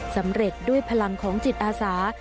สำเร็จด้วยพลังของจิตอาสา